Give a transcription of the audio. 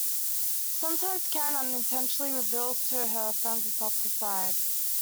Sometimes Karen unintentionally reveals to her friends a softer side.